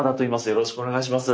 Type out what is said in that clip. よろしくお願いします。